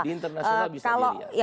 di internasional bisa